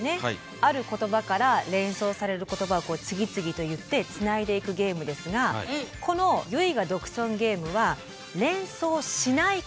ある言葉から連想される言葉をこう次々と言ってつないでいくゲームですがこのつまりはい。